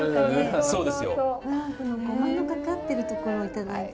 このごまのかかってるところを頂いて。